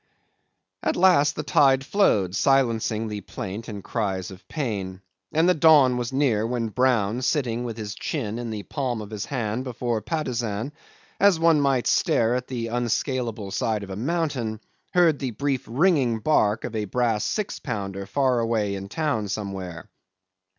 'At last the tide flowed, silencing the plaint and the cries of pain, and the dawn was near when Brown, sitting with his chin in the palm of his hand before Patusan, as one might stare at the unscalable side of a mountain, heard the brief ringing bark of a brass 6 pounder far away in town somewhere.